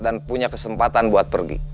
dan punya kesempatan buat pergi